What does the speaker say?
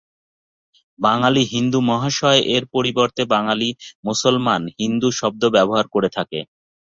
বাঙালি হিন্দুর ‘মহাশয়’ এর পরিবর্তে বাঙালি মুসলমান মিয়া শব্দ ব্যবহার করে থাকে।